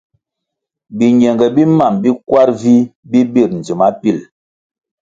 Biñenge bi mam bi kwar vih bi bir ndzima bopil.